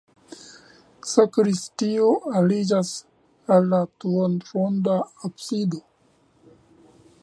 Sakristio aliĝas al la duonronda absido.